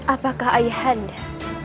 apakah ayah anda